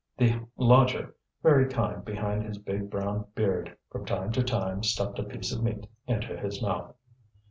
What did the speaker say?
The lodger, very kind behind his big brown beard, from time to time stuffed a piece of meat into his mouth.